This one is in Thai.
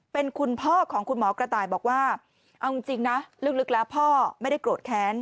เป็นคุณพ่อของคุณหมอกระต่ายบอกว่าเอาจริงนะลึกแล้วพ่อไม่ได้โกรธแค้น